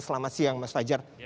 selamat siang mas fajar